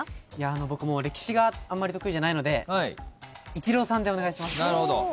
僕歴史があんまり得意じゃないのでイチローさんでお願いします。